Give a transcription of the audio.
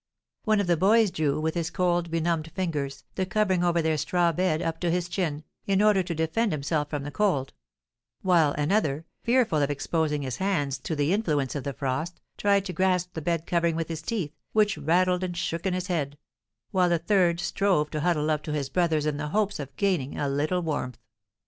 One of the boys drew, with his cold, benumbed fingers, the covering over their straw bed up to his chin, in order to defend himself from the cold; while another, fearful of exposing his hands to the influence of the frost, tried to grasp the bed covering with his teeth, which rattled and shook in his head; while a third strove to huddle up to his brothers in the hopes of gaining a little warmth.